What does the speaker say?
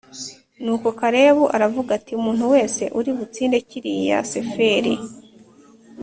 Nuko Kalebu aravuga ati “umuntu wese uri butsinde Kiriyati-Seferi